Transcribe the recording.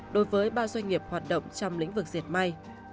đối với ba doanh nghiệp hoạt động trong lĩnh vực diệt may